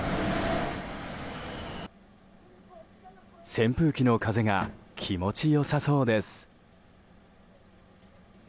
扇風機の風が気持ちよさそうです。